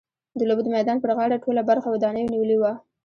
د لوبو د میدان پر غاړه ټوله برخه ودانیو نیولې وه.